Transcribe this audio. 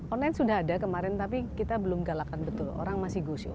online sudah ada kemarin tapi kita belum galakan betul orang masih gusyuk